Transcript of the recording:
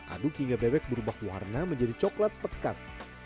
aduk hingga bebek berubah warna menjadi coklat pekat